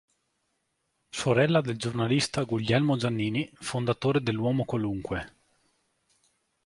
Sorella del giornalista Guglielmo Giannini, fondatore dell'Uomo Qualunque.